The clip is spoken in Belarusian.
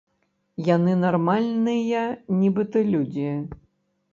Яны нармальныя нібыта людзі.